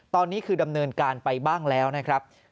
ตอนนี้คือดำเนินการไปบ้างแล้วนะครับ